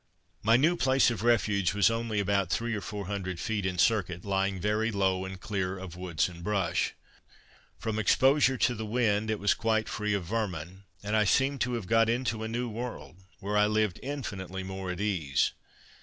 My new place of refuge was only about three or four hundred feet in circuit, lying very low, and clear of woods and brush; from exposure to the wind, it was quite free of vermin, and I seemed to have got into a new world, where I lived infinitely more at ease.